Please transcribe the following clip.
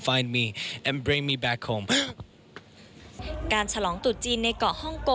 สัมผัสนะที่นั่นความต้องออกบอก